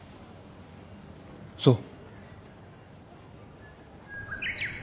そう。